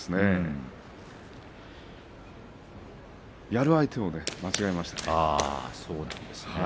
やる相手を間違えましたね。